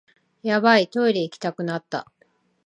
ヤバい、トイレ行きたくなった